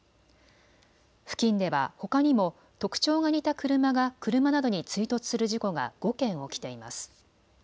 付近ではほかにも特徴が似た車が車などに追突する事故が５件起きています。